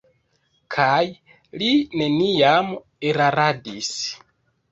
Kaj li neniam eraradis.